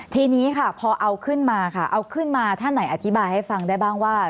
ทีนี้ค่ะพอเอาขึ้นมาค่ะเอาขึ้นมาท่านไหนอธิบายให้ฟังได้บ้างว่า